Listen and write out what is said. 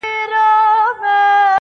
دا ستا چي گراني ستا تصوير په خوب وويني~